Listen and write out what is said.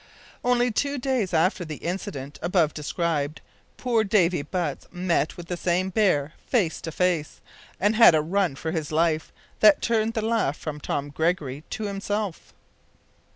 Only two days after the incident above described, poor Davy Butts met with the same bear, face to face, and had a run for his life, that turned the laugh from Tom Gregory to himself.